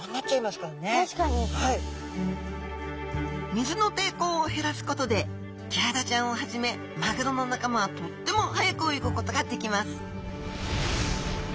水の抵抗を減らすことでキハダちゃんをはじめマグロの仲間はとっても速く泳ぐことができます